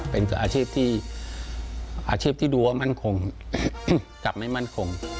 เป็นอาชีพที่ดูว่ามั่นคงกับไม่มั่นคง